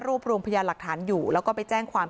รวมรวมพยานหลักฐานอยู่แล้วก็ไปแจ้งความ